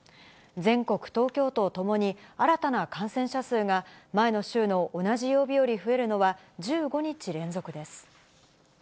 全国、東京都ともに、新たな感染者数が前の週の同じ曜日より増えるのは、１５日連続です。